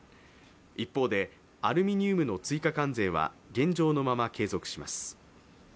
一方でアルミニウムの追加関税は現状のまま継続します。